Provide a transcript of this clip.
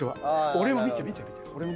俺を見て見て見て。